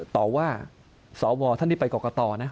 ต่อว่าสวท่านที่ไปกรกตนะ